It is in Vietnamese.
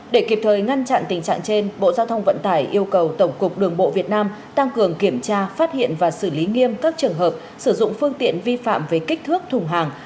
để kịp thời ngăn chặn tình trạng trên bộ giao thông vận tải yêu cầu tổng cục đường bộ việt nam tăng cường kiểm tra phát hiện và xử lý nghiêm các trường hợp sử dụng phương tiện vi phạm về kích thước thùng hàng